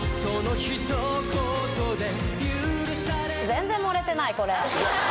全然盛れてないこれ。